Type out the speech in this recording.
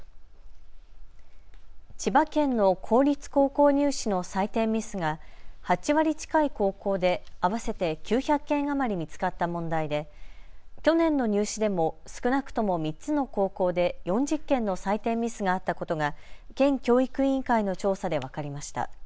千葉県の公立高校入試の採点ミスが８割近い高校で合わせて９００件余り見つかった問題で去年の入試でも少なくとも３つの高校で４０件の採点ミスがあったことが県教育委員会の調査で分かりました。